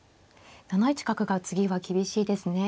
７一角が次は厳しいですね。